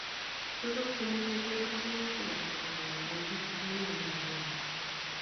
tuguk che mengechen ko tyemutikab kibagenge eng' biik chebo imanda agenge